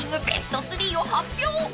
ベスト３を発表］